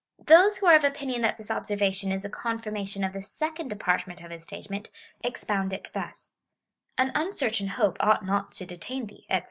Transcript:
Those who are of opinion that this observation is a confirmation of the second department of his statement, expound it thus :" An uncer tain hope ought not to detain thee," &c.